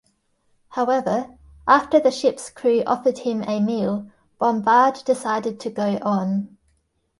However, after the ship's crew offered him a meal, Bombard decided to go on.